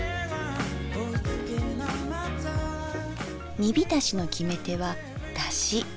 煮浸しの決め手はだし。